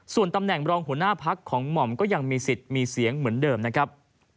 ส่วนตำแหน่งรองหัวหน้าพักของหม่อมก็ยังมีสิทธิ์มีเสียงเหมือนเดิมนะครับ